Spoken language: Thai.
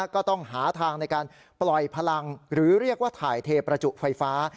ก็ต้องหาทางในการปล่อยพลังหรือเรียกว่าถ่ายเทประจุไฟฟ้า